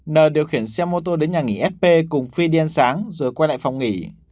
n điều khiển xe mô tô đến nhà nghỉ sp cùng phi đi ăn sáng rồi quay lại phòng nghỉ